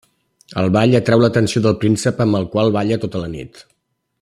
Al ball atreu l'atenció del príncep amb el qual balla tota la nit.